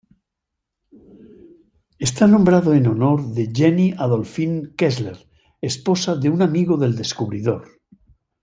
Está nombrado en honor de Jenny Adolﬁne Kessler, esposa de un amigo del descubridor.